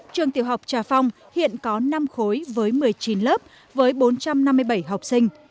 trường tiểu học trà phong hiện có năm khối với một mươi chín lớp với bốn trăm năm mươi bảy học sinh